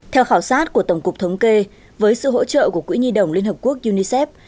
theo khảo sát của tổng cục thống kê với sự hỗ trợ của quỹ nhi đồng liên hợp quốc unicef